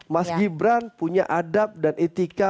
mas gibran punya adab dan etika